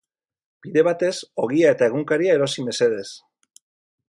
Bide batez ogia eta egunkaria erosi mesedez.